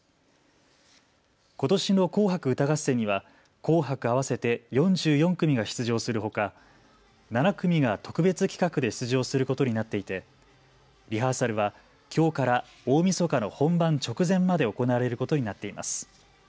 ことしの紅白歌合戦には紅白合わせて４４組が出場するほか７組が特別企画で出場することになっていてリハーサルはきょうから大みそかの本番直前まで行われることになっています。